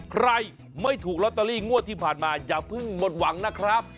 ใครไม่ถูกลอตเตอรี่งวดที่ผ่านมาอย่าเพิ่งหมดหวังนะครับ